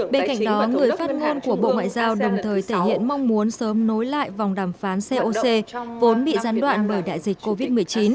bên cạnh đó người phát ngôn của bộ ngoại giao đồng thời thể hiện mong muốn sớm nối lại vòng đàm phán coc vốn bị gián đoạn bởi đại dịch covid một mươi chín